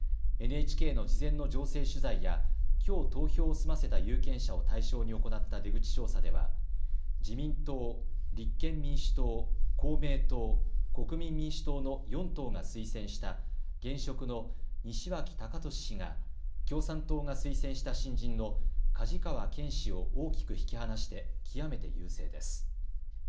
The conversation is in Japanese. ＮＨＫの事前の情勢取材やきょう投票を済ませた有権者を対象に行った出口調査では自民党、立憲民主党、公明党、国民民主党の４党が推薦した現職の西脇隆俊氏が共産党が推薦した新人の梶川憲氏を大きく引き離して極めて優勢です。